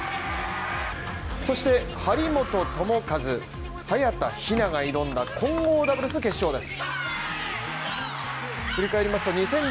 そして、張本智和、早田ひなが挑んだ混合ダブルス決勝です。